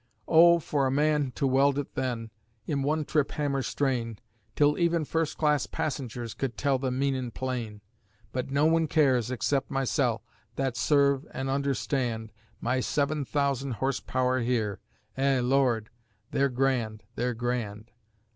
Oh for a man to weld it then, in one trip hammer strain, Till even first class passengers could tell the meanin' plain! But no one cares except mysel' that serve an' understand My seven thousand horse power here. Eh, Lord! They're grand they're grand!